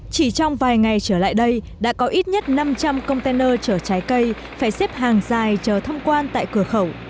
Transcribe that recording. chỉ trong vài ngày trở lại đây đã có ít nhất năm trăm linh container chở trái cây phải xếp hàng dài chờ thông quan tại cửa khẩu